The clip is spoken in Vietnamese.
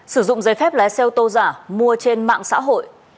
sử dụng giấy phép lái xe ô tô giả mua trên mạng xã hội